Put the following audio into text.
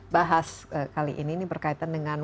bahas kali ini berkaitan dengan